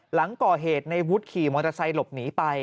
หลังก่อเหตุในวุฒิขี่มอเตอร์ไซค์หลบหนีไป